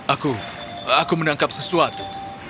aku aku menangkap sesuatu